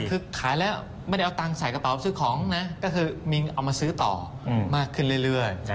คือขายแล้วไม่ได้เอาตังค์ใส่กระเป๋าซื้อของนะก็คือมีเอามาซื้อต่อมากขึ้นเรื่อย